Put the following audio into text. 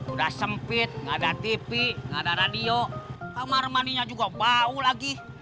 udah sempit gak ada tv gak ada radio kamar maninya juga bau lagi